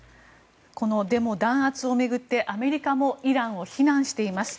このデモ弾圧を巡ってアメリカもイランを非難しています。